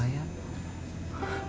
saya tidak pernah membiayai anak saya